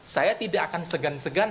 saya tidak akan segan segan